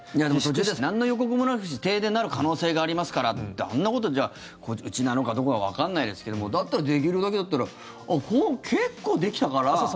でも、途中でなんの予告もなく停電になる可能性がありますからってあんなこと、じゃあ、うちなのかどこかわからないですけどもだったら、できるだけだったら結構できたから。